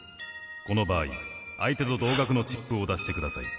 この場合相手と同額のチップを出してください。